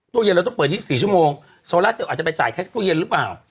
เย็นเราต้องเปิด๒๔ชั่วโมงโซลาเซลอาจจะไปจ่ายแค่ตู้เย็นหรือเปล่า